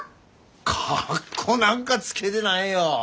かっこなんかつけてないよ。